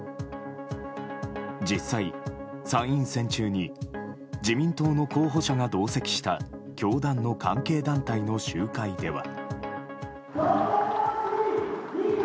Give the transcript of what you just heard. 実際、参院選中に自民党の候補者が同席した教団の関係団体の集会では。